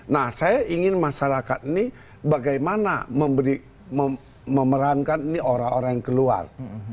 nah saya ingin masyarakat ini bagaimana memerankan ini orang orang yang keluar